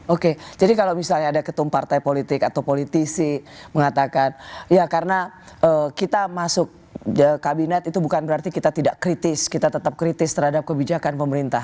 oke jadi kalau misalnya ada ketum partai politik atau politisi mengatakan ya karena kita masuk kabinet itu bukan berarti kita tidak kritis kita tetap kritis terhadap kebijakan pemerintah